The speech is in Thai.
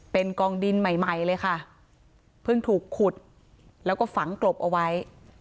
เป็นกองดินใหม่ใหม่เลยค่ะเพิ่งถูกขุดแล้วก็ฝังกลบเอาไว้